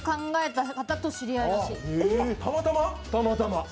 たまたま。